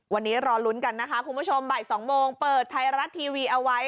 วันนี้รอลุ้นกันนะคะคุณผู้ชมบ่าย๒โมงเปิดไทยรัฐทีวีเอาไว้